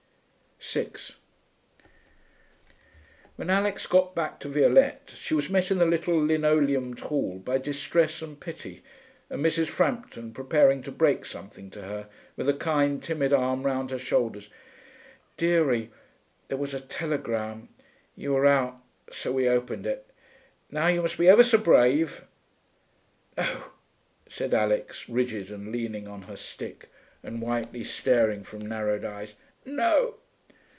6 When Alix got back to Violette, she was met in the little linoleumed hall by distress and pity, and Mrs. Frampton preparing to break something to her, with a kind, timid arm round her shoulders. 'Dearie, there was a telegram.... You were out, so we opened it.... Now you must be ever so brave.' 'No,' said Alix, rigid and leaning on her stick and whitely staring from narrowed eyes. 'No....'